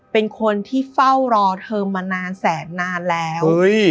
เป็นคนที่เฝ้ารอเธอมานานแสนนานแล้ว